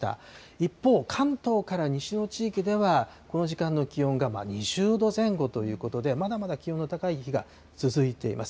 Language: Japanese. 一方、関東から西の地域では、この時間の気温が２０度前後ということで、まだまだ気温の高い日が続いています。